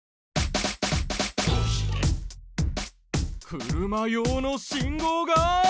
車用の信号が低い！？